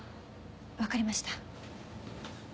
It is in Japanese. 分かりました。